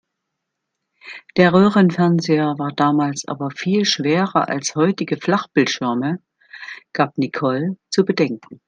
Der Röhrenfernseher war damals aber viel schwerer als heutige Flachbildschirme, gab Nicole zu bedenken.